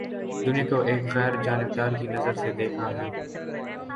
دنیا کو ایک غیر جانبدار کی نظر سے دیکھا ہے